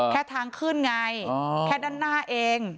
แค่ทางขึ้นไงแค่ด้านหน้าเอง